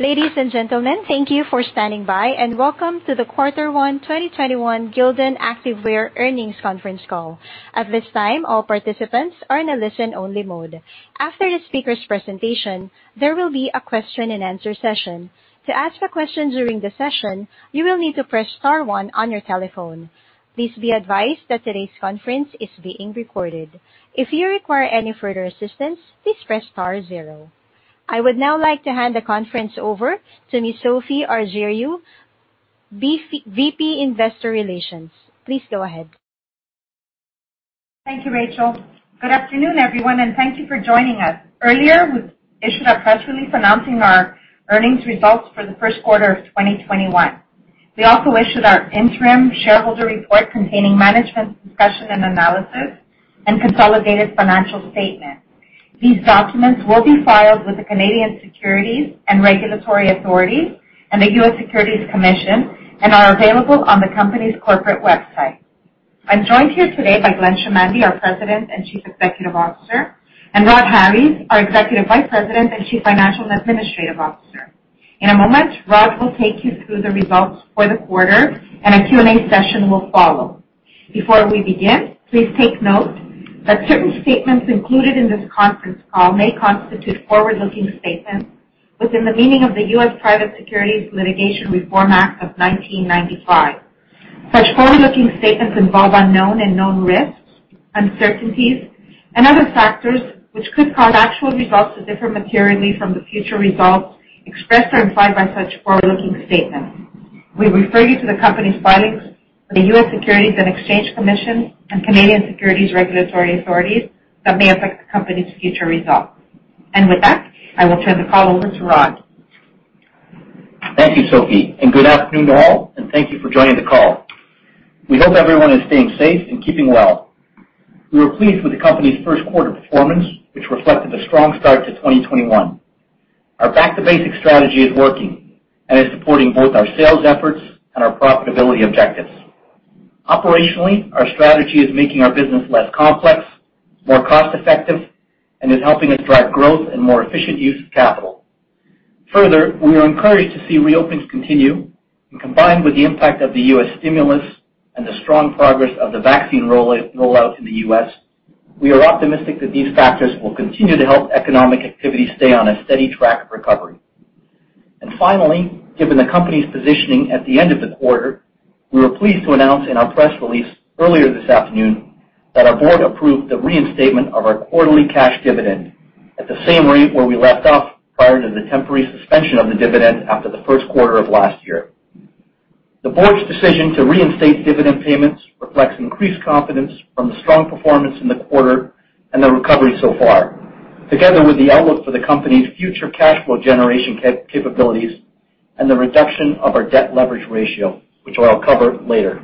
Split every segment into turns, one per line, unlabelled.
Ladies and gentlemen, thank you for standing by, welcome to the Quarter one 2021 Gildan Activewear Earnings Conference Call. At this time, all participants are in a listen-only mode. After the speaker's presentation, there will be a question and answer session. I would now like to hand the conference over to Ms. Sophie Argiriou, VP Investor Relations. Please go ahead.
Thank you, Rachel. Good afternoon, everyone, and thank you for joining us. Earlier, we issued a press release announcing our earnings results for the first quarter of 2021. We also issued our interim shareholder report containing management's discussion and analysis and consolidated financial statement. These documents will be filed with the Canadian Securities Administrators and the U.S. Securities Commission and are available on the company's corporate website. I'm joined here today by Glenn J. Chamandy, our President and Chief Executive Officer, and Rhodri Harries, our Executive Vice President and Chief Financial and Administrative Officer. In a moment, Rhodri will take you through the results for the quarter, and a Q&A session will follow. Before we begin, please take note that certain statements included in this conference call may constitute forward-looking statements within the meaning of the U.S. Private Securities Litigation Reform Act of 1995. Such forward-looking statements involve unknown and known risks, uncertainties, and other factors which could cause actual results to differ materially from the future results expressed or implied by such forward-looking statements. We refer you to the company's filings with the U.S. Securities and Exchange Commission and Canadian Securities Regulatory Authorities that may affect the company's future results. With that, I will turn the call over to Rod.
Thank you, Sophie, good afternoon to all, and thank you for joining the call. We hope everyone is staying safe and keeping well. We were pleased with the company's first quarter performance, which reflected a strong start to 2021. Our back to basics strategy is working and is supporting both our sales efforts and our profitability objectives. Operationally, our strategy is making our business less complex, more cost-effective, and is helping us drive growth and more efficient use of capital. Further, we are encouraged to see reopens continue and combined with the impact of the U.S. stimulus and the strong progress of the vaccine rollout in the U.S., we are optimistic that these factors will continue to help economic activity stay on a steady track of recovery. Finally, given the company's positioning at the end of the quarter, we were pleased to announce in our press release earlier this afternoon that our board approved the reinstatement of our quarterly cash dividend at the same rate where we left off prior to the temporary suspension of the dividend after the first quarter of last year. The board's decision to reinstate dividend payments reflects increased confidence from the strong performance in the quarter and the recovery so far, together with the outlook for the company's future cash flow generation capabilities and the reduction of our debt leverage ratio, which I'll cover later.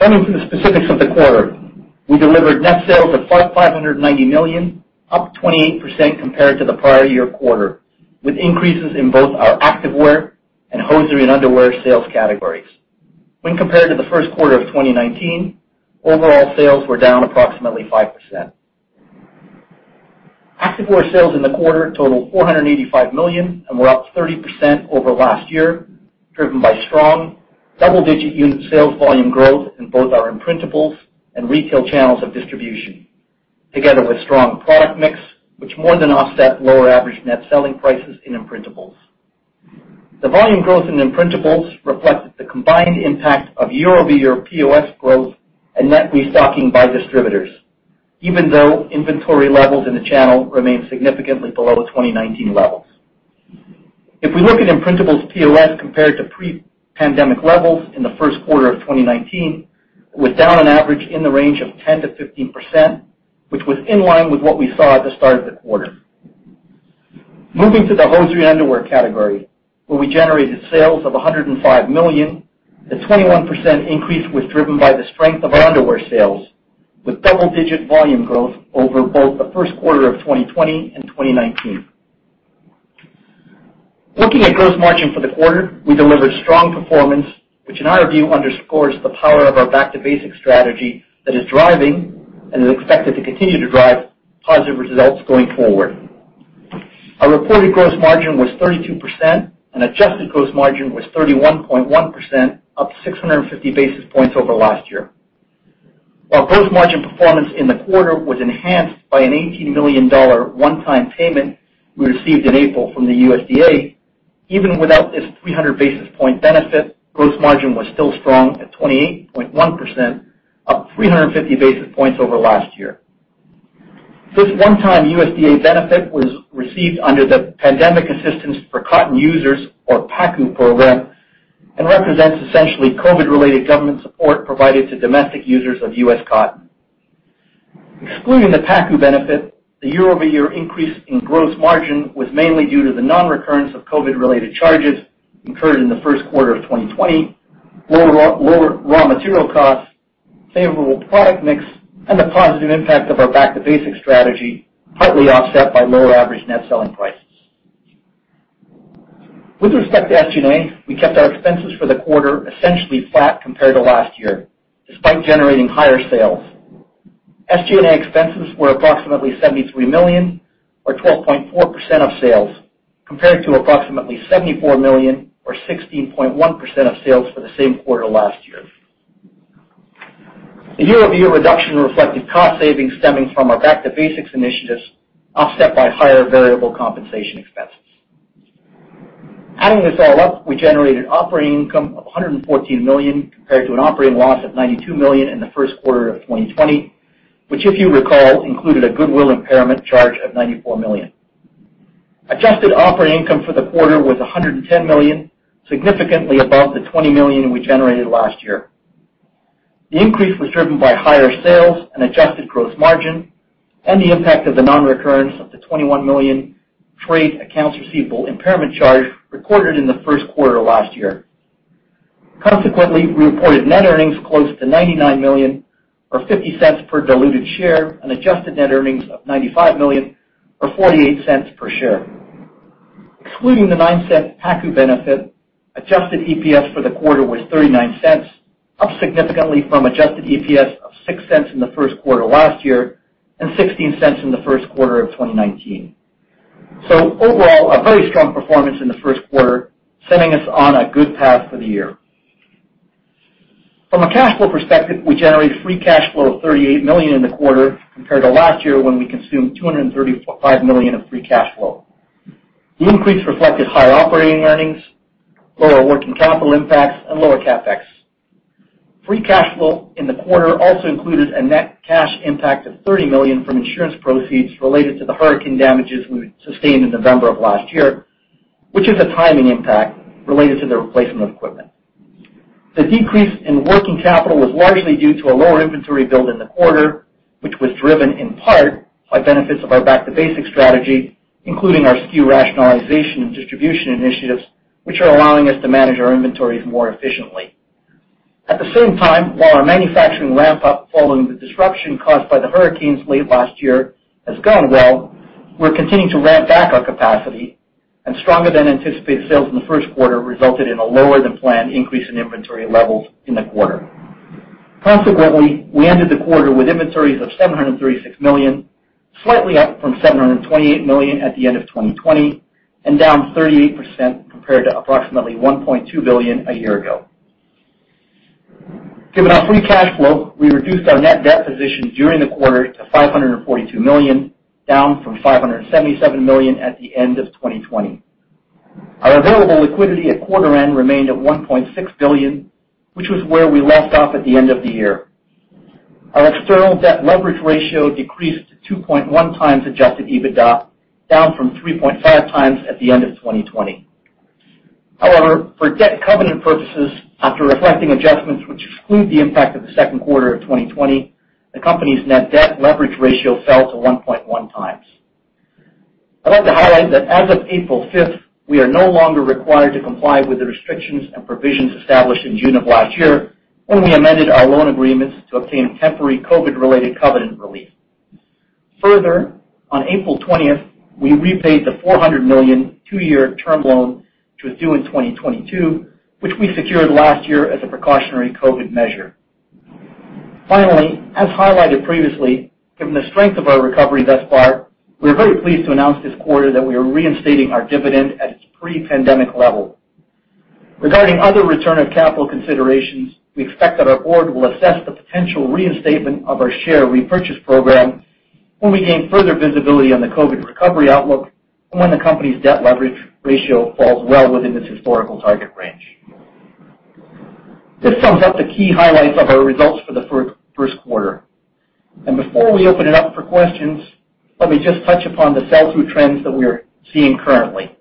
Turning to the specifics of the quarter, we delivered net sales of $590 million, up 28% compared to the prior year quarter, with increases in both our Activewear and hosiery and underwear sales categories. When compared to the first quarter of 2019, overall sales were down approximately 5%. Activewear sales in the quarter totaled $485 million and were up 30% over last year, driven by strong double-digit unit sales volume growth in both our imprintables and retail channels of distribution, together with strong product mix, which more than offset lower average net selling prices in imprintables. The volume growth in imprintables reflected the combined impact of year-over-year POS growth and net restocking by distributors, even though inventory levels in the channel remain significantly below 2019 levels. If we look at imprintables POS compared to pre-pandemic levels in the first quarter of 2019, it was down on average in the range of 10%-15%, which was in line with what we saw at the start of the quarter. Moving to the hosiery and underwear category, where we generated sales of $105 million, the 21% increase was driven by the strength of our underwear sales, with double-digit volume growth over both the first quarter of 2020 and 2019. Looking at gross margin for the quarter, we delivered strong performance, which in our view underscores the power of our back to basic strategy that is driving and is expected to continue to drive positive results going forward. Our reported gross margin was 32%, and adjusted gross margin was 31.1%, up 650 basis points over last year. While gross margin performance in the quarter was enhanced by an $18 million one-time payment we received in April from the USDA, even without this 300 basis point benefit, gross margin was still strong at 28.1%, up 350 basis points over last year. This one-time USDA benefit was received under the Pandemic Assistance for Cotton Users, or PACU program, and represents essentially COVID-related government support provided to domestic users of U.S. cotton. Excluding the PACU benefit, the year-over-year increase in gross margin was mainly due to the non-recurrence of COVID-related charges incurred in the first quarter of 2020, lower raw material costs, favorable product mix, and the positive impact of our back-to-basics strategy, partly offset by lower average net selling prices. With respect to SG&A, we kept our expenses for the quarter essentially flat compared to last year, despite generating higher sales. SG&A expenses were approximately $73 million or 12.4% of sales, compared to approximately $74 million or 16.1% of sales for the same quarter last year. The year-over-year reduction reflected cost savings stemming from our back-to-basics initiatives, offset by higher variable compensation expenses. Adding this all up, we generated operating income of $114 million compared to an operating loss of $92 million in the first quarter of 2020, which, if you recall, included a goodwill impairment charge of $94 million. Adjusted operating income for the quarter was $110 million, significantly above the $20 million we generated last year. The increase was driven by higher sales and adjusted gross margin and the impact of the non-recurrence of the $21 million trade accounts receivable impairment charge recorded in the first quarter last year. Consequently, we reported net earnings close to $99 million or $0.50 per diluted share, and adjusted net earnings of $95 million or $0.48 per share. Excluding the $0.09 PACU benefit, adjusted EPS for the quarter was $0.39, up significantly from adjusted EPS of $0.06 in the first quarter last year and $0.16 in the first quarter of 2019. Overall, a very strong performance in the first quarter, setting us on a good path for the year. From a cash flow perspective, we generated free cash flow of $38 million in the quarter compared to last year, when we consumed $235 million of free cash flow. The increase reflected higher operating earnings, lower working capital impacts, and lower CapEx. Free cash flow in the quarter also included a net cash impact of $30 million from insurance proceeds related to the hurricane damages we sustained in November of last year, which is a timing impact related to the replacement of equipment. The decrease in working capital was largely due to a lower inventory build in the quarter, which was driven in part by benefits of our back-to-basics strategy, including our SKU rationalization and distribution initiatives, which are allowing us to manage our inventories more efficiently. At the same time, while our manufacturing ramp-up following the disruption caused by the hurricanes late last year has gone well, we're continuing to ramp back our capacity, and stronger than anticipated sales in the first quarter resulted in a lower-than-planned increase in inventory levels in the quarter. Consequently, we ended the quarter with inventories of $736 million, slightly up from $728 million at the end of 2020, and down 38% compared to approximately $1.2 billion a year ago. Given our free cash flow, we reduced our net debt position during the quarter to $542 million, down from $577 million at the end of 2020. Our available liquidity at quarter end remained at $1.6 billion, which was where we left off at the end of the year. Our external debt leverage ratio decreased to 2.1x adjusted EBITDA, down from 3.5x at the end of 2020. However, for debt covenant purposes, after reflecting adjustments which exclude the impact of the second quarter of 2020, the company's net debt leverage ratio fell to 1.1x. I'd like to highlight that as of April 5th, we are no longer required to comply with the restrictions and provisions established in June of last year, when we amended our loan agreements to obtain temporary COVID-related covenant relief. Further, on April 20th, we repaid the $400 million two-year term loan, which was due in 2022, which we secured last year as a precautionary COVID measure. Finally, as highlighted previously, given the strength of our recovery thus far, we are very pleased to announce this quarter that we are reinstating our dividend at its pre-pandemic level. Regarding other return of capital considerations, we expect that our board will assess the potential reinstatement of our share repurchase program when we gain further visibility on the COVID recovery outlook and when the company's debt leverage ratio falls well within its historical target range. This sums up the key highlights of our results for the first quarter. Before we open it up for questions, let me just touch upon the sell-through trends that we are seeing currently.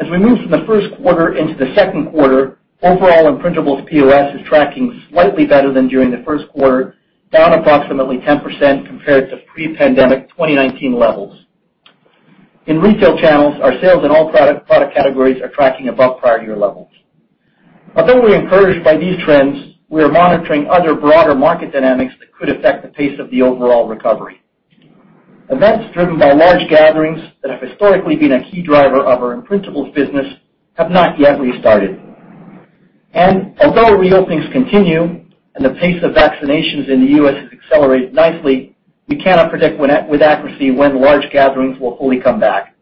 As we move from the first quarter into the second quarter, overall imprintables POS is tracking slightly better than during the first quarter, down approximately 10% compared to pre-pandemic 2019 levels. In retail channels, our sales in all product categories are tracking above prior year levels. Although we're encouraged by these trends, we are monitoring other broader market dynamics that could affect the pace of the overall recovery. Events driven by large gatherings that have historically been a key driver of our imprintables business have not yet restarted. Although reopenings continue and the pace of vaccinations in the U.S. has accelerated nicely, we cannot predict with accuracy when large gatherings will fully come back.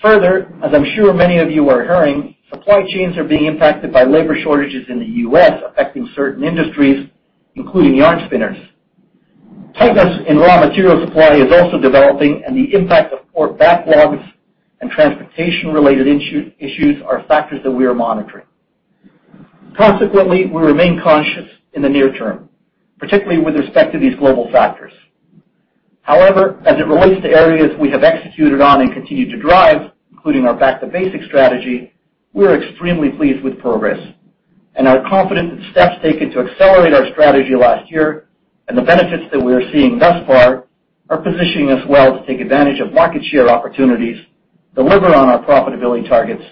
Further, as I'm sure many of you are hearing, supply chains are being impacted by labor shortages in the U.S., affecting certain industries, including yarn spinners. Tightness in raw material supply is also developing, and the impact of port backlogs and transportation-related issues are factors that we are monitoring. Consequently, we remain cautious in the near term, particularly with respect to these global factors. However, as it relates to areas we have executed on and continue to drive, including our back-to-basics strategy, we are extremely pleased with progress and are confident that steps taken to accelerate our strategy last year and the benefits that we are seeing thus far are positioning us well to take advantage of market share opportunities, deliver on our profitability targets,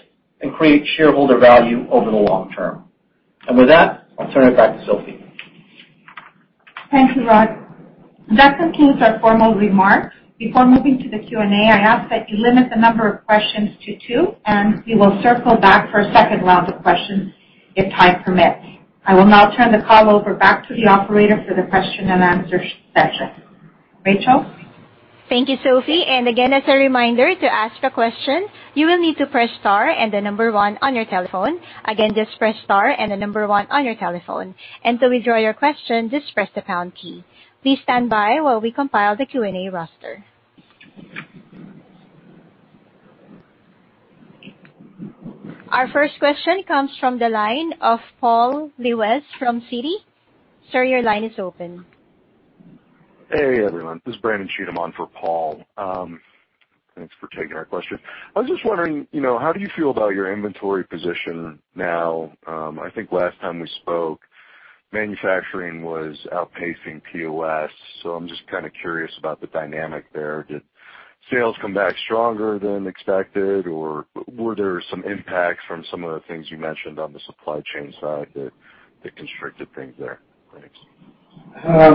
and create shareholder value over the long term. With that, I'll turn it back to Sophie.
Thank you, Rod. That concludes our formal remarks. Before moving to the Q&A, I ask that you limit the number of questions to two, and we will circle back for a second round of questions if time permits. I will now turn the call over back to the operator for the question and answer session. Rachel?
Our first question comes from the line of Paul Lejuez from Citigroup. Sir, your line is open.
Hey, everyone. This is Brandon Cheatham on for Paul. Thanks for taking our question. I was just wondering, how do you feel about your inventory position now? I think last time we spoke, manufacturing was outpacing POS, so I'm just kind of curious about the dynamic there. Did sales come back stronger than expected, or were there some impacts from some of the things you mentioned on the supply chain side that constricted things there? Thanks.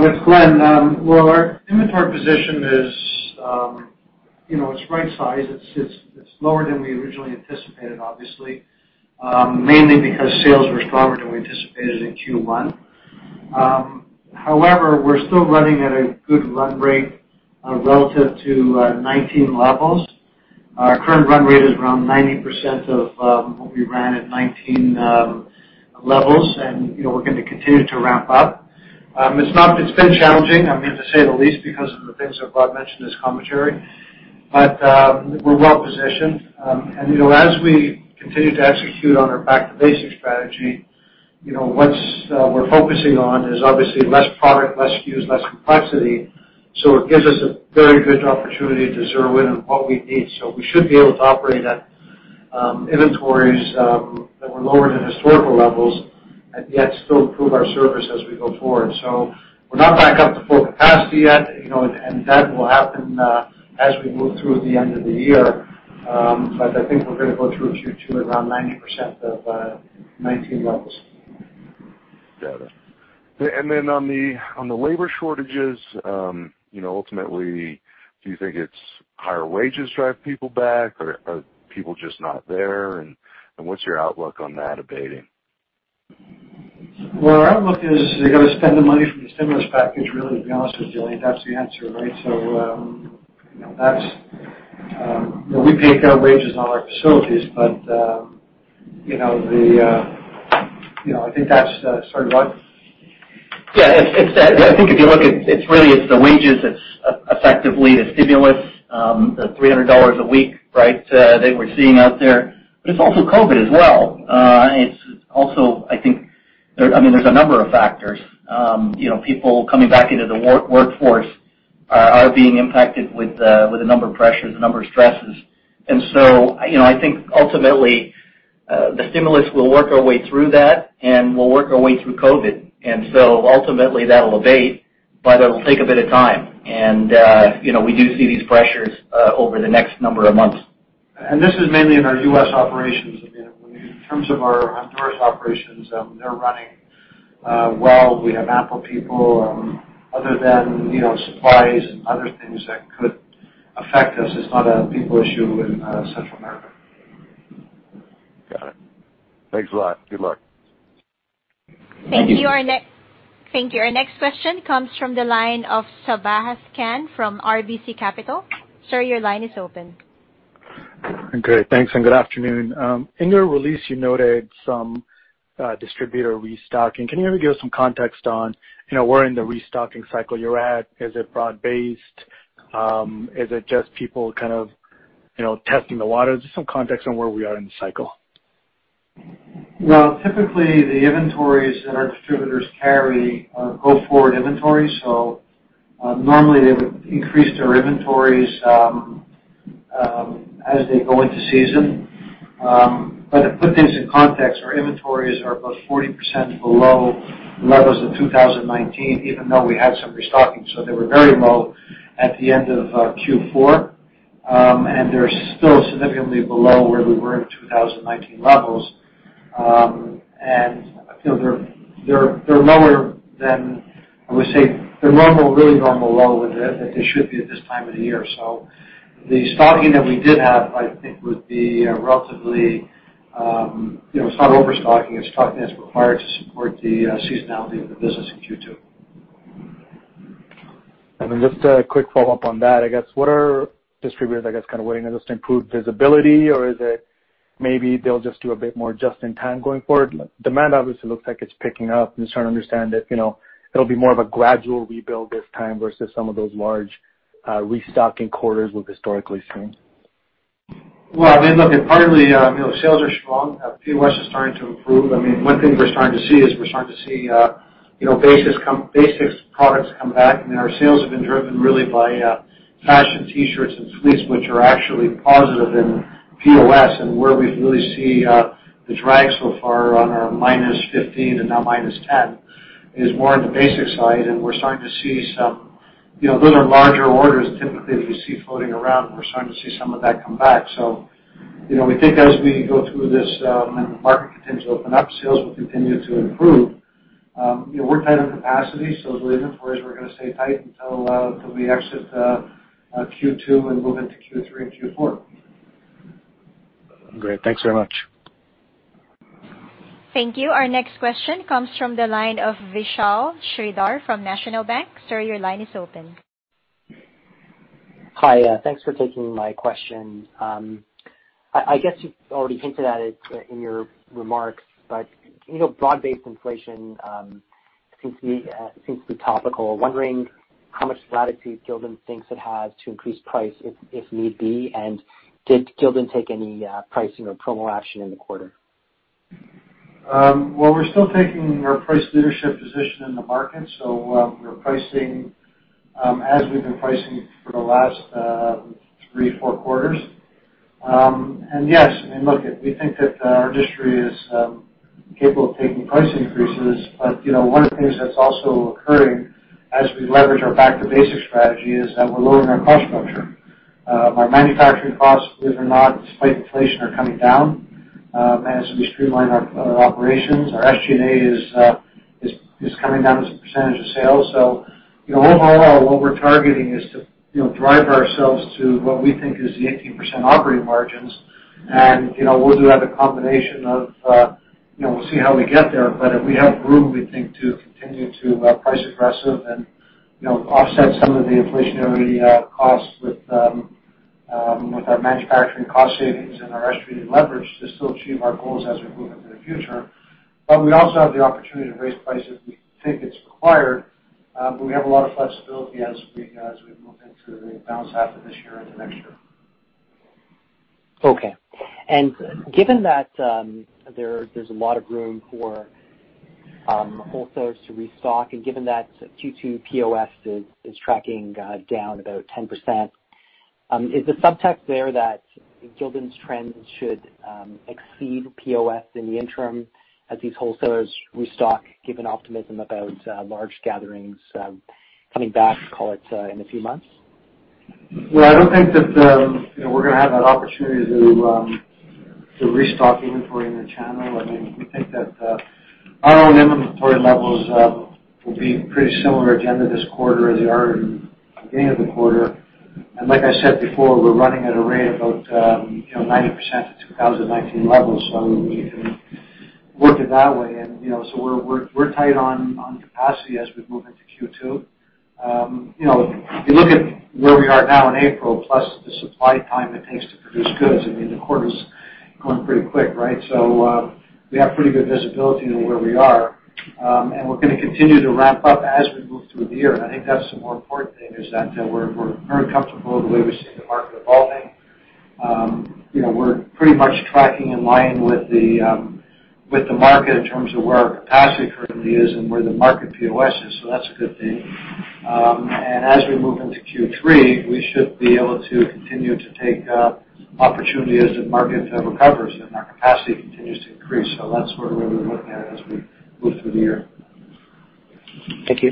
With Glenn. Our inventory position is right-sized. It's lower than we originally anticipated, obviously. Mainly because sales were stronger than we anticipated in Q1. We're still running at a good run rate, relative to 2019 levels. Our current run rate is around 90% of what we ran at 2019 levels, and we're going to continue to ramp up. It's been challenging, I mean, to say the least, because of the things that Rod mentioned in his commentary. We're well positioned. As we continue to execute on our Back to Basics strategy, what we're focusing on is obviously less product, less SKUs, less complexity. It gives us a very good opportunity to zero in on what we need. We should be able to operate at inventories that were lower than historical levels and yet still improve our service as we go forward. We're not back up to full capacity yet, and that will happen as we move through the end of the year. I think we're going to go through Q2 around 90% of 2019 levels.
Got it. On the labor shortages, ultimately, do you think it's higher wages drive people back, or are people just not there? What's your outlook on that abating?
Well, our outlook is they're going to spend the money from the stimulus package really, to be honest with you. That's the answer, right? We paid out wages in all our facilities, but I think that's Sorry, Rod?
I think if you look at It's really the wages. It's effectively the stimulus, the $300 a week that we're seeing out there. It's also COVID as well. I think there's a number of factors. People coming back into the workforce are being impacted with a number of pressures, a number of stresses. I think ultimately, the stimulus will work our way through that, and we'll work our way through COVID. Ultimately that'll abate, but it'll take a bit of time. We do see these pressures over the next number of months.
This is mainly in our U.S. operations. In terms of our Honduras operations, they're running well. We have ample people. Other than supplies and other things that could affect us, it's not a people issue in Central America.
Got it. Thanks a lot. Good luck.
Thank you.
Thank you. Our next question comes from the line of Sabahat Khan from RBC Capital. Sir, your line is open.
Great. Thanks, and good afternoon. In your release, you noted some distributor restocking. Can you maybe give us some context on where in the restocking cycle you're at? Is it broad-based? Is it just people kind of testing the waters? Just some context on where we are in the cycle.
Typically, the inventories that our distributors carry are go-forward inventories, so normally they would increase their inventories as they go into season. To put things in context, our inventories are about 40% below levels in 2019, even though we had some restocking. They were very low at the end of Q4. They're still significantly below where we were in 2019 levels. I feel they're lower than, I would say, they're normal, really normal low as they should be at this time of the year. The stocking that we did have, I think, would be relatively it's not overstocking. It's stocking as required to support the seasonality of the business in Q2.
Just a quick follow-up on that, I guess, what are distributors, I guess, kind of waiting just to improve visibility, or is it maybe they'll just do a bit more just-in-time going forward? Demand obviously looks like it's picking up. I'm just trying to understand if it'll be more of a gradual rebuild this time versus some of those large restocking quarters we've historically seen.
Well, I mean, look, partly, sales are strong. POS is starting to improve. One thing we're starting to see is we're starting to see basics products come back. Our sales have been driven really by fashion T-shirts and fleece, which are actually positive in POS, and where we really see the drag so far on our -15 and now -10 is more on the basics side, and we're starting to see some. Those are larger orders typically that we see floating around, and we're starting to see some of that come back. We think as we go through this, when the market continues to open up, sales will continue to improve. We're tight on capacity, so delivery inventories are going to stay tight until we exit Q2 and move into Q3 and Q4.
Great. Thanks very much.
Thank you. Our next question comes from the line of Vishal Shreedhar from National Bank. Sir, your line is open.
Hi. Thanks for taking my question. I guess you've already hinted at it in your remarks, but broad-based inflation seems to be topical. Wondering how much latitude Gildan thinks it has to increase price if need be, and did Gildan take any pricing or promo action in the quarter?
Well, we're still taking our price leadership position in the market, we're pricing as we've been pricing for the last three, four quarters. Yes, I mean, look, we think that our industry is capable of taking price increases. One of the things that's also occurring as we leverage our Back-to-Basics strategy is that we're lowering our cost structure. Our manufacturing costs, believe it or not, despite inflation, are coming down. As we streamline our operations, our SG&A is coming down as a percentage of sales. Overall, what we're targeting is to drive ourselves to what we think is the 18% operating margins. We'll do that in a combination of-- We'll see how we get there, but we have room, we think, to continue to price aggressive and offset some of the inflationary costs with our manufacturing cost savings and our SG&A leverage to still achieve our goals as we move into the future. We also have the opportunity to raise prices if we think it's required. We have a lot of flexibility as we move into the balance half of this year into next year.
Okay. Given that there's a lot of room for wholesalers to restock and given that Q2 POS is tracking down about 10%, is the subtext there that Gildan's trends should exceed POS in the interim as these wholesalers restock, given optimism about large gatherings coming back, call it in a few months?
Well, I don't think that we're going to have that opportunity to restock inventory in the channel. I mean, we think that our own inventory levels will be pretty similar at the end of this quarter as they are in the beginning of the quarter. Like I said before, we're running at a rate about 90% of 2019 levels, so we can work it that way. We're tight on capacity as we move into Q2. If you look at where we are now in April, plus the supply time it takes to produce goods, I mean, the quarter's going pretty quick, right? We have pretty good visibility into where we are. We're going to continue to ramp up as we move through the year, and I think that's the more important thing, is that we're very comfortable with the way we see the market evolving. We're pretty much tracking in line with the market in terms of where our capacity currently is and where the market POS is, so that's a good thing. As we move into Q3, we should be able to continue to take opportunity as the market recovers and our capacity continues to increase. That's sort of where we're looking at as we move through the year.
Thank you.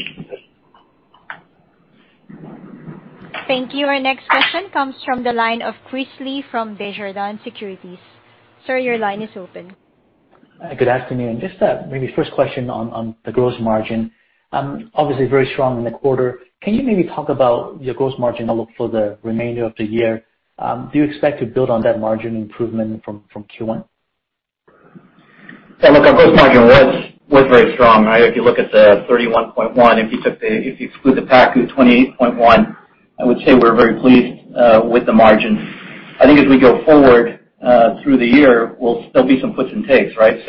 Thank you. Our next question comes from the line of Chris Li from Desjardins Securities. Sir, your line is open.
Good afternoon. Just maybe first question on the gross margin. Obviously very strong in the quarter. Can you maybe talk about your gross margin outlook for the remainder of the year? Do you expect to build on that margin improvement from Q1?
Yeah, look, our gross margin was very strong. If you look at the 31.1%, if you exclude the PACU 28.1%, I would say we're very pleased with the margin. I think as we go forward through the year, will still be some puts and takes, right?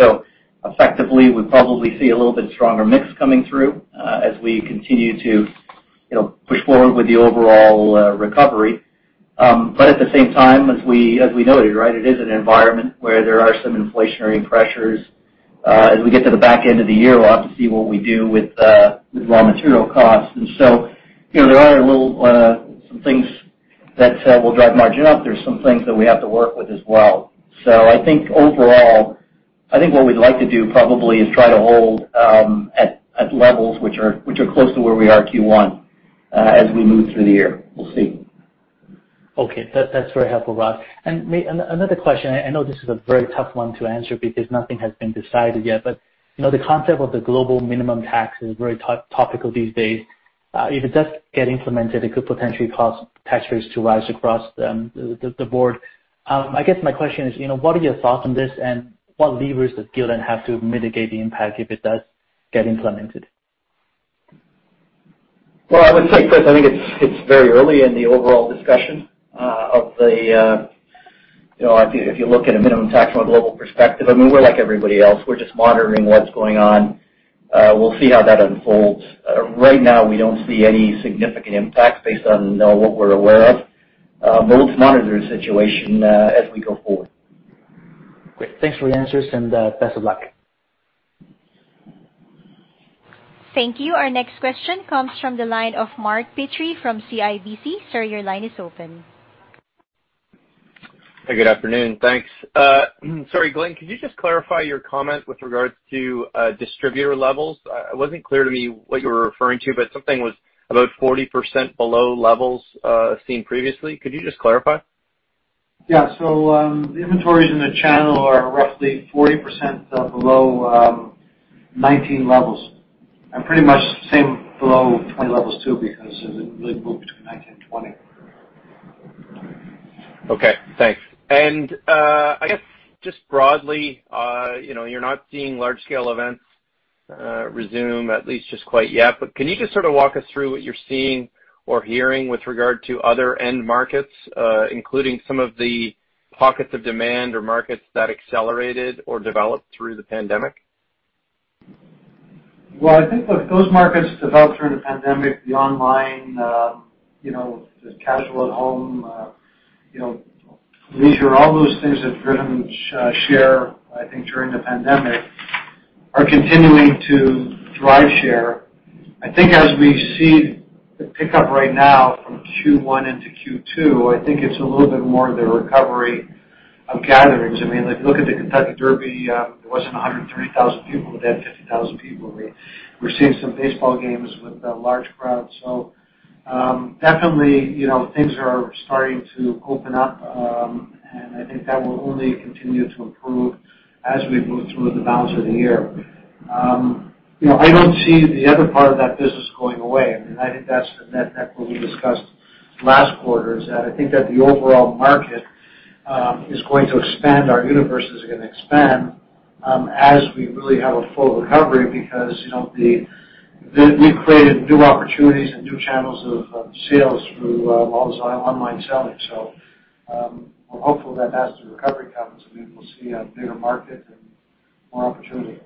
Effectively, we probably see a little bit stronger mix coming through as we continue to push forward with the overall recovery. At the same time, as we noted, it is an environment where there are some inflationary pressures. As we get to the back end of the year, we'll have to see what we do with raw material costs. There are some things that will drive margin up. There's some things that we have to work with as well. I think overall, I think what we'd like to do probably is try to hold at levels which are close to where we are at Q1 as we move through the year. We'll see.
Okay. That's very helpful, Rhodri. Another question, I know this is a very tough one to answer because nothing has been decided yet, but the concept of the global minimum tax is very topical these days. If it does get implemented, it could potentially cause tax rates to rise across the board. I guess my question is, what are your thoughts on this, and what levers does Gildan have to mitigate the impact if it does get implemented?
Well, I would say, Chris, I think it's very early in the overall discussion of If you look at a minimum tax from a global perspective, I mean, we're like everybody else. We're just monitoring what's going on. We'll see how that unfolds. Right now, we don't see any significant impacts based on what we're aware of. We'll monitor the situation as we go forward.
Great. Thanks for the answers, and best of luck.
Thank you. Our next question comes from the line of Mark Petrie from CIBC. Sir, your line is open.
Good afternoon. Thanks. Sorry, Glenn, could you just clarify your comment with regards to distributor levels? It wasn't clear to me what you were referring to, but something was about 40% below levels seen previously. Could you just clarify?
Yeah. The inventories in the channel are roughly 40% below 2019 levels, and pretty much same below 2020 levels too, because as it really moved between 2019 and 2020.
Okay, thanks. I guess just broadly, you're not seeing large-scale events resume at least just quite yet, but can you just sort of walk us through what you're seeing or hearing with regard to other end markets, including some of the pockets of demand or markets that accelerated or developed through the pandemic?
I think those markets developed during the pandemic, the online, the casual at home, leisure, all those things that driven share, I think during the pandemic, are continuing to drive share. I think as we see the pickup right now from Q1 into Q2, I think it's a little bit more of the recovery of gatherings. If you look at the Kentucky Derby, it wasn't 130,000 people, but they had 50,000 people. We're seeing some baseball games with large crowds. Definitely, things are starting to open up. I think that will only continue to improve as we move through the balance of the year. I don't see the other part of that business going away. I think that's the net that we discussed last quarter, is that I think that the overall market is going to expand. Our universe is going to expand as we really have a full recovery because we've created new opportunities and new channels of sales through all this online selling. We're hopeful that as the recovery comes, we'll see a bigger market and more opportunity.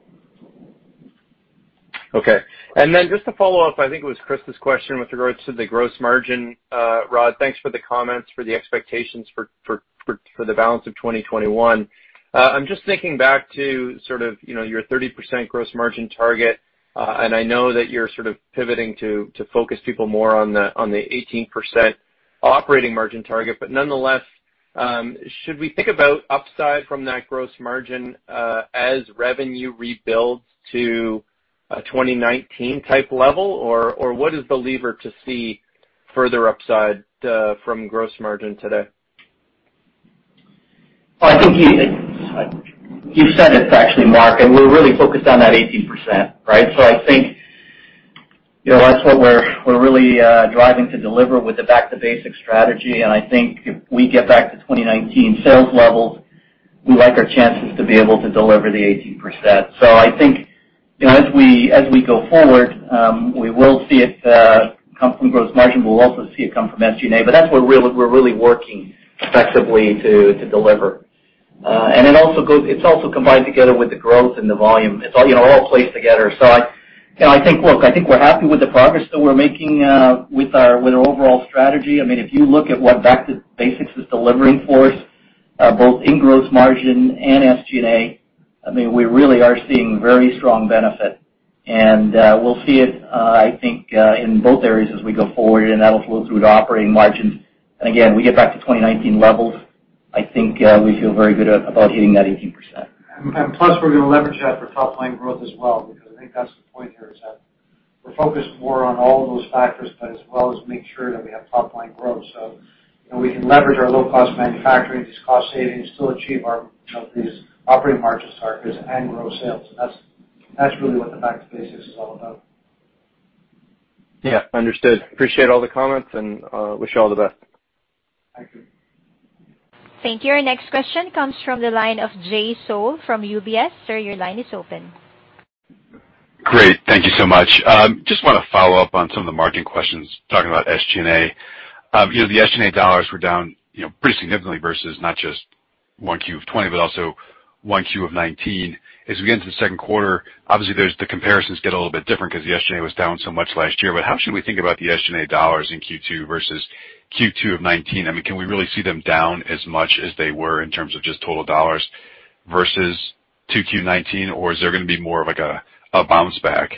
Okay. Just to follow up, I think it was Chris's question with regards to the gross margin. Rhodri, thanks for the comments, for the expectations for the balance of 2021. I'm just thinking back to sort of your 30% gross margin target, and I know that you're sort of pivoting to focus people more on the 18% operating margin target. Nonetheless, should we think about upside from that gross margin, as revenue rebuilds to a 2019 type level? What is the lever to see further upside from gross margin today?
Well, I think you said it actually, Mark. We're really focused on that 18%, right. I think that's what we're really driving to deliver with the back to basics strategy. I think if we get back to 2019 sales levels, we like our chances to be able to deliver the 18%. I think as we go forward, we will see it come from gross margin. We'll also see it come from SG&A, that's what we're really working effectively to deliver. It's also combined together with the growth and the volume. It all plays together. I think we're happy with the progress that we're making with our overall strategy. If you look at what back to basics is delivering for us, both in gross margin and SG&A, we really are seeing very strong benefit. We'll see it, I think, in both areas as we go forward, and that'll flow through to operating margins. Again, we get back to 2019 levels, I think we feel very good about hitting that 18%.
Plus, we're going to leverage that for top-line growth as well, because I think that's the point here is that we're focused more on all of those factors, but as well as make sure that we have top-line growth. We can leverage our low-cost manufacturing, these cost savings, still achieve these operating margin targets and grow sales. That's really what the back to basics is all about.
Yeah. Understood. Appreciate all the comments and wish you all the best.
Thank you.
Thank you. Our next question comes from the line of Jay Sole from UBS. Sir, your line is open.
Great. Thank you so much. Just want to follow up on some of the margin questions, talking about SG&A. The SG&A dollars were down pretty significantly versus not just 1Q of 2020, but also 1Q of 2019. As we get into the second quarter, obviously, the comparisons get a little bit different because SG&A was down so much last year. How should we think about the SG&A dollars in Q2 versus Q2 of 2019? Can we really see them down as much as they were in terms of just total dollars versus 2Q 2019? Is there going to be more of like a bounce back,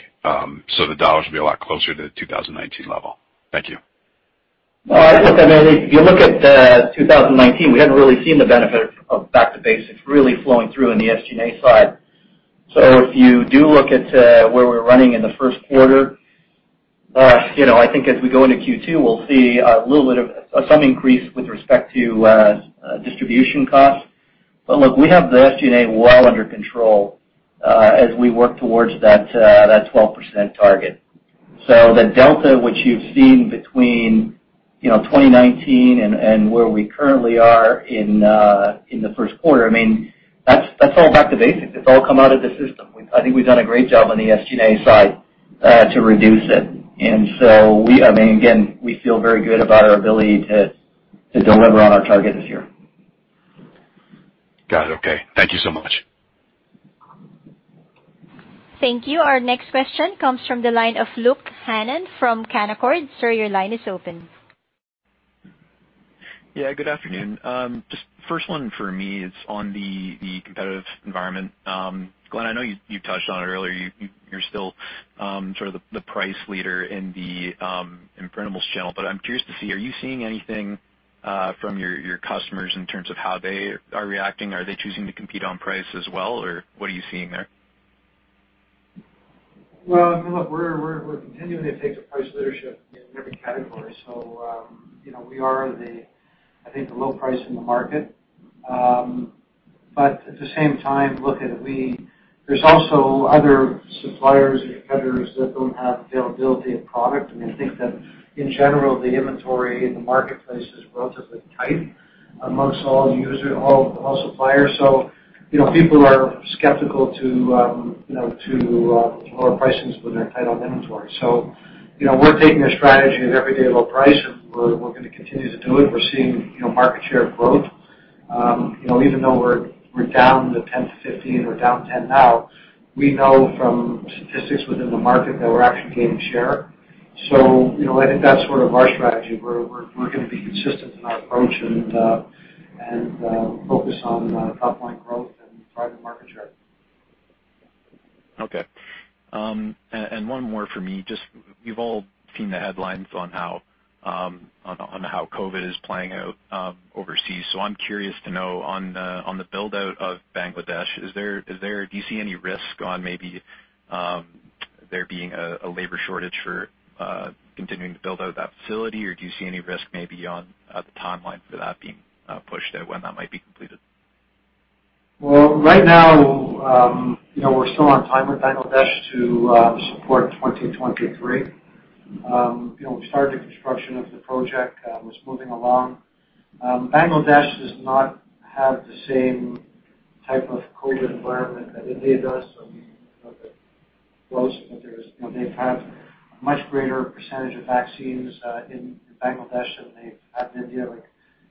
so the dollars will be a lot closer to 2019 level? Thank you.
Look, if you look at 2019, we hadn't really seen the benefit of back to basics really flowing through in the SG&A side. If you do look at where we're running in the first quarter, I think as we go into Q2, we'll see some increase with respect to distribution costs. Look, we have the SG&A well under control as we work towards that 12% target. The delta which you've seen between 2019 and where we currently are in the first quarter, that's all back to basics. It's all come out of the system. I think we've done a great job on the SG&A side to reduce it. Again, we feel very good about our ability to deliver on our target this year.
Got it. Okay. Thank you so much.
Thank you. Our next question comes from the line of Luke Hannan from Canaccord. Sir, your line is open.
Yeah, good afternoon. Just first one for me is on the competitive environment. Glenn, I know you touched on it earlier. You're still sort of the price leader in the imprintables channel, but I'm curious to see, are you seeing anything from your customers in terms of how they are reacting? Are they choosing to compete on price as well, or what are you seeing there?
Well, look, we're continuing to take the price leadership in every category. We are, I think, the low price in the market. At the same time, there's also other suppliers and competitors that don't have availability of product. I think that in general, the inventory in the marketplace is relatively tight amongst all suppliers. People are skeptical to lower pricings when they're tight on inventory. We're taking a strategy of everyday low price, and we're going to continue to do it. We're seeing market share growth. Even though we're down the 10-15, we're down 10 now, we know from statistics within the market that we're actually gaining share. I think that's sort of our strategy. We're going to be consistent in our approach and focus on top-line growth and driving market share.
Okay. One more from me. You've all seen the headlines on how COVID is playing out overseas. I'm curious to know on the build-out of Bangladesh, do you see any risk on maybe there being a labor shortage for continuing to build out that facility? Do you see any risk maybe on the timeline for that being pushed out, when that might be completed?
Well, right now, we're still on time with Bangladesh to support 2023. We started the construction of the project. It's moving along. Bangladesh does not have the same type of COVID environment that India does. We look at it closely, but they've had a much greater percentage of vaccines in Bangladesh than they have in India. Like,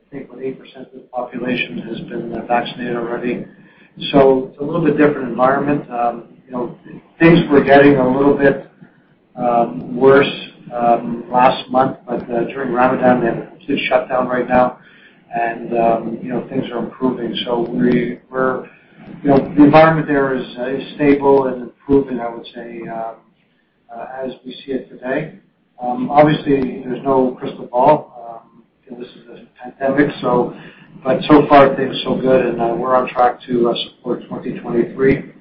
I think, what, 8% of the population has been vaccinated already. It's a little bit different environment. Things were getting a little bit worse last month, but during Ramadan, they had a complete shutdown right now, and things are improving. The environment there is stable and improving, I would say, as we see it today. Obviously, there's no crystal ball. This is a pandemic. So far, things are so good, and we're on track to support 2023.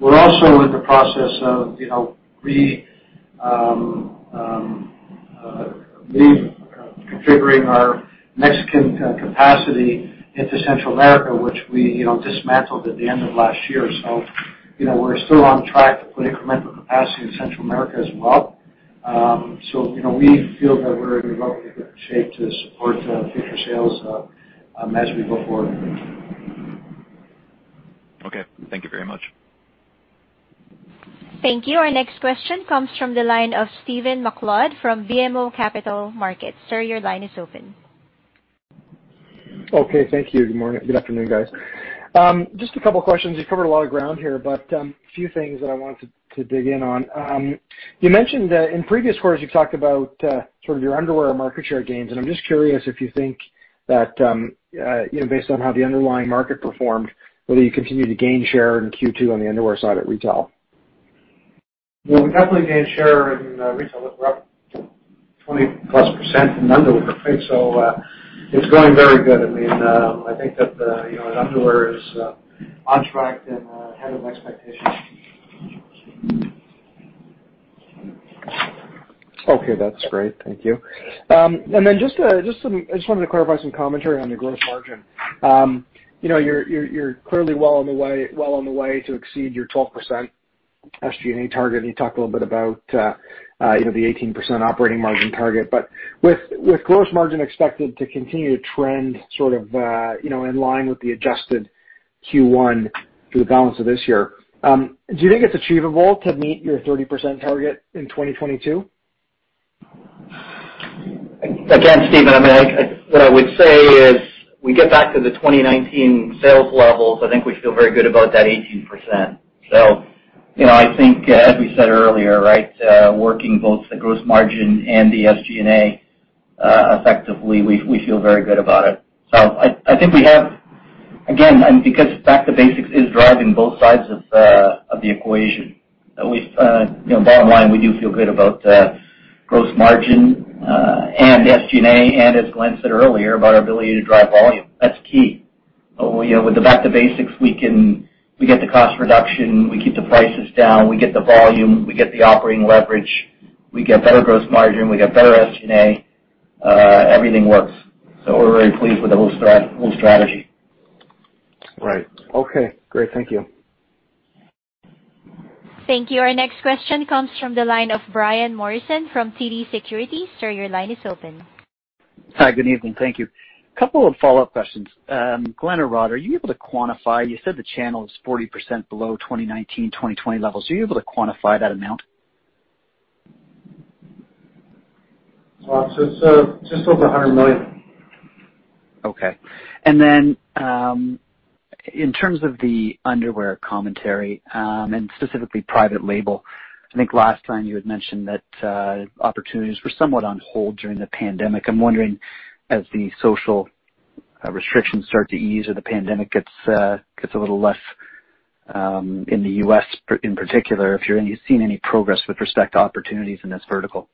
We're also in the process of reconfiguring our Mexican capacity into Central America, which we dismantled at the end of last year. We're still on track to put incremental capacity in Central America as well. We feel that we're in relatively good shape to support future sales as we go forward.
Okay. Thank you very much.
Thank you. Our next question comes from the line of Stephen MacLeod from BMO Capital Markets. Sir, your line is open.
Okay. Thank you. Good afternoon, guys. Just a couple of questions. You've covered a lot of ground here, a few things that I wanted to dig in on. You mentioned in previous quarters you've talked about sort of your underwear market share gains. I'm just curious if you think that based on how the underlying market performed, whether you continue to gain share in Q2 on the underwear side at retail.
Well, we definitely gained share in retail. We're up 20-plus% in underwear. It's going very good. I think that underwear is on track and ahead of expectations.
Okay. That's great. Thank you. I just wanted to clarify some commentary on the gross margin. You're clearly well on the way to exceed your 12% SG&A target, and you talked a little bit about the 18% operating margin target. With gross margin expected to continue to trend sort of in line with the adjusted Q1 through the balance of this year, do you think it's achievable to meet your 30% target in 2022?
Again, Stephen, what I would say is we get back to the 2019 sales levels, I think we feel very good about that 18%. I think as we said earlier, working both the gross margin and the SG&A effectively, we feel very good about it. I think we have Again, because back to basics is driving both sides of the equation. Bottom line, we do feel good about gross margin and SG&A, and as Glenn said earlier, about our ability to drive volume. That's key. With the back to basics, we get the cost reduction, we keep the prices down, we get the volume, we get the operating leverage, we get better gross margin, we get better SG&A. Everything works. We're very pleased with the whole strategy.
Right. Okay, great. Thank you.
Thank you. Our next question comes from the line of Brian Morrison from TD Securities. Sir, your line is open.
Hi, good evening. Thank you. Couple of follow-up questions. Glenn or Rod, are you able to quantify, you said the channel is 40% below 2019, 2020 levels. Are you able to quantify that amount?
It's just over $100 million.
Okay. In terms of the underwear commentary, specifically private label, I think last time you had mentioned that opportunities were somewhat on hold during the pandemic. I'm wondering, as the social restrictions start to ease or the pandemic gets a little less in the U.S. in particular, if you're seeing any progress with respect to opportunities in this vertical?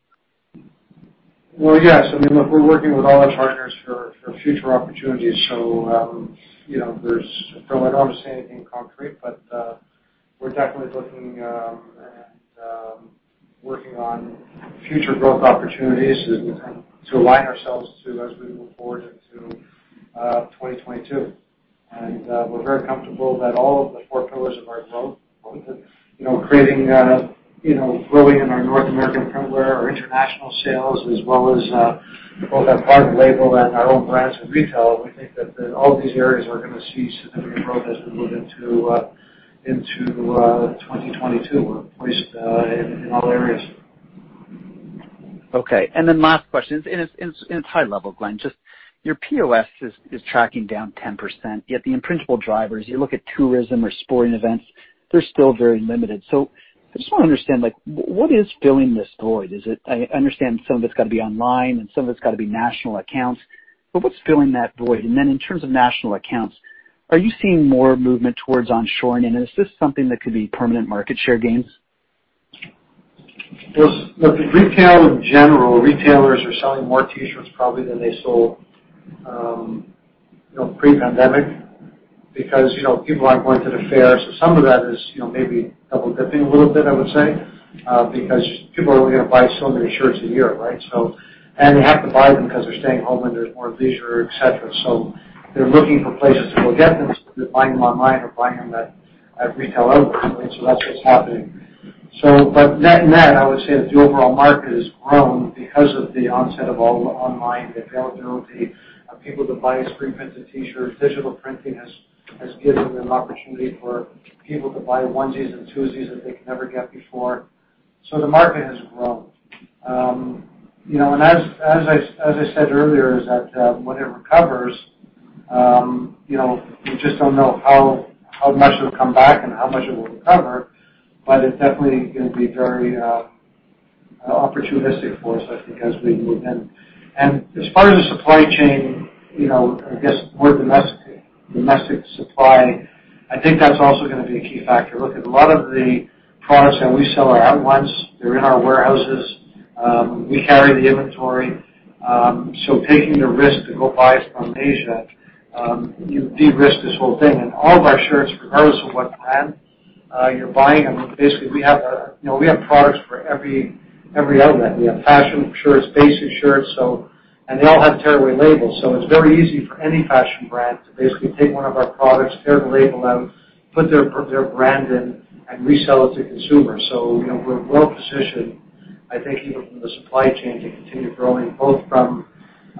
Well, yes. I mean, look, we're working with all our partners for future opportunities. I don't want to say anything concrete, but we're definitely looking and working on future growth opportunities that we can align ourselves to as we move forward into 2022. We're very comfortable that all of the four pillars of our growth, both growing in our North American printwear, our international sales, as well as both our private label and our own brands in retail, we think that all these areas are going to see significant growth as we move into 2022. We're pleased in all areas.
Okay, then last question, and it's high level, Glenn. Just your POS is tracking down 10%, yet the principal drivers, you look at tourism or sporting events, they're still very limited. I just want to understand, what is filling this void? I understand some of it's got to be online, and some of it's got to be national accounts, but what's filling that void? Then in terms of national accounts, are you seeing more movement towards onshoring, and is this something that could be permanent market share gains?
In retail in general, retailers are selling more T-shirts probably than they sold pre-pandemic because people aren't going to the fairs. Some of that is maybe double-dipping a little bit, I would say, because people are only going to buy so many shirts a year, right? They have to buy them because they're staying home and there's more leisure, et cetera. They're looking for places to go get them, so they're buying them online or buying them at retail outlets, that's what's happening. Net, I would say that the overall market has grown because of the onset of all the online availability of people to buy a screen-printed T-shirt. Digital printing has given an opportunity for people to buy onesies and twosies that they could never get before. The market has grown. As I said earlier, is that when it recovers, we just don't know how much it'll come back and how much it will recover, but it's definitely going to be very opportunistic for us, I think, as we move in. As far as the supply chain, I guess more domestic supply, I think that's also going to be a key factor. Look, a lot of the products that we sell are out once, they're in our warehouses. We carry the inventory. Taking the risk to go buy from Asia, you de-risk this whole thing. All of our shirts, regardless of what brand you're buying, and basically, we have products for every element. We have fashion shirts, basic shirts. They all have tear-away labels. It's very easy for any fashion brand to basically take one of our products, tear the label out, put their brand in, and resell it to consumers. We're well positioned, I think even from the supply chain to continue growing, both from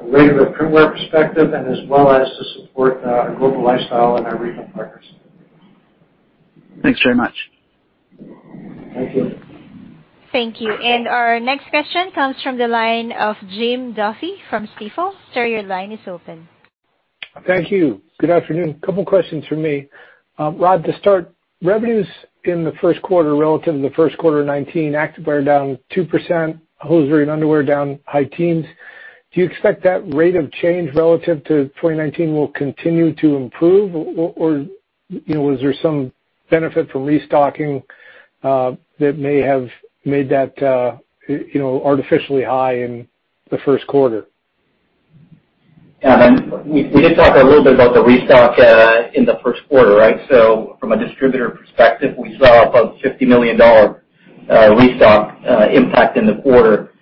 a regular printwear perspective and as well as to support our global lifestyle and our regional partners.
Thanks very much.
Thank you.
Thank you. Our next question comes from the line of Jim Duffy from Stifel. Sir, your line is open.
Thank you. Good afternoon. Couple questions from me. Rhodri, to start, revenues in the first quarter relative to the first quarter of 2019, Activewear down 2%, Hosiery and Underwear down high teens. Do you expect that rate of change relative to 2019 will continue to improve, or was there some benefit from restocking that may have made that artificially high in the first quarter?
We did talk a little bit about the restock in the first quarter, right? From a distributor perspective, we saw about a $50 million restock impact in the quarter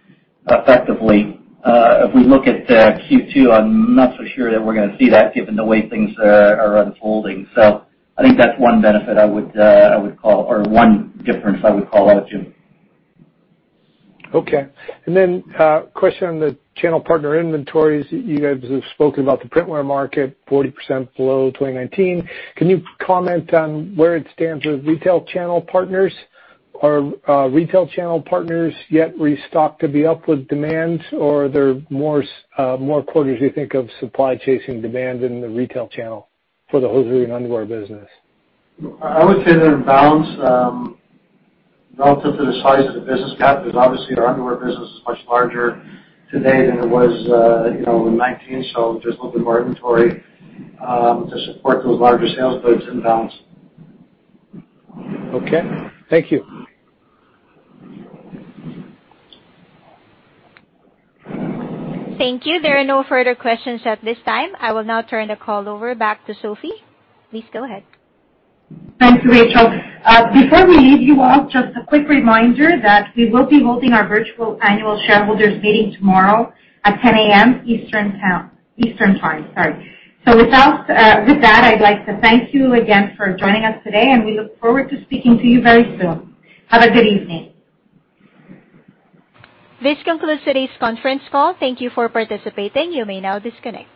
effectively. If we look at Q2, I'm not so sure that we're going to see that given the way things are unfolding. I think that's one difference I would call out, Jim.
Okay. A question on the channel partner inventories. You guys have spoken about the printwear market 40% below 2019. Can you comment on where it stands with retail channel partners? Are retail channel partners yet restocked to be up with demand, or are there more quarters you think of supply chasing demand in the retail channel for the hosiery and underwear business?
I would say they're in balance. Relative to the size of the business, because obviously our underwear business is much larger today than it was in 2019, so there's a little bit more inventory to support those larger sales, but it's in balance.
Okay. Thank you.
Thank you. There are no further questions at this time. I will now turn the call over back to Sophie. Please go ahead.
Thanks, Rachel. Before we leave you all, just a quick reminder that we will be holding our virtual annual shareholders meeting tomorrow at 10:00 A.M. Eastern Time. With that, I'd like to thank you again for joining us today, and we look forward to speaking to you very soon. Have a good evening.
This concludes today's conference call. Thank you for participating. You may now disconnect.